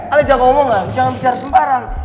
ale jangan ngomong ya jangan bicara sembarang